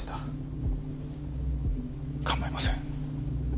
構いません。